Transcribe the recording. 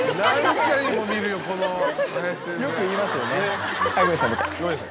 よく言いますよね